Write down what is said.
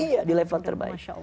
iya di level terbaik